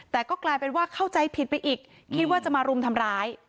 แต่ก็กลายเป็นว่าเข้าใจผิดไปอีกคิดว่าจะมารุมทำร้าย